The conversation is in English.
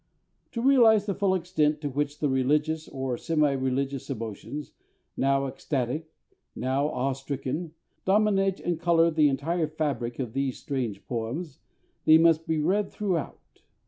To realize the full extent to which the religious, or semi religious, emotions now ecstatic, now awe stricken dominate and colour the entire fabric of these strange poems, they must be read throughout.